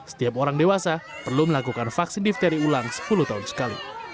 setiap orang dewasa perlu melakukan vaksin difteri ulang sepuluh tahun sekali